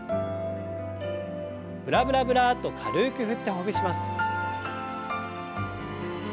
ブラブラブラッと軽く振ってほぐします。